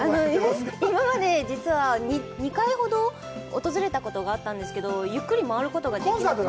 今まで実は、２回ほど訪れたことがあったんですけど、ゆっくり回ることができなくて。